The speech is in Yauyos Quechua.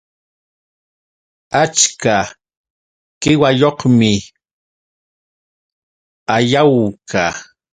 Achka qiwayuqmi Ayawka